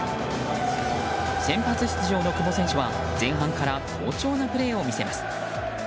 先発出場の久保選手は前半から好調なプレーを見せます。